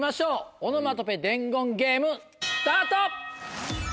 オノマトペ伝言ゲームスタート！